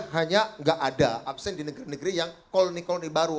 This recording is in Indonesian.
hanya nggak ada absen di negeri negeri yang koloni koloni baru